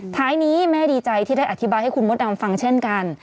ท้ายนี้แม่ดีใจที่ได้อธิบายให้คุณมดดำฟังเช่นกัน